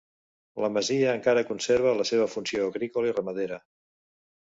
La masia encara conserva la seva funció agrícola i ramadera.